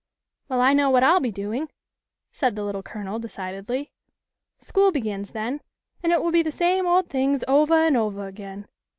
"Well, I know what I'll be doing," said the Little Colonel, decidedly. " School begins then, and it will be the same old things ovah and ovah again.